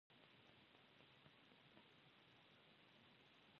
پښتو ژبه د امیر شیرعلی خان په واکمنۍ کې د افغانستان رسمي ژبه شوه.